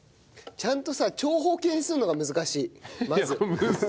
ちゃんとさ長方形にするのが難しいまず。